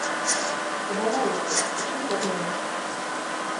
Падавалася б, у чым праблема?